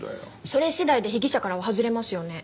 それ次第で被疑者からは外れますよね。